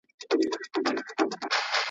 باندې ګرم باد د هر چا مخ سوځاوه.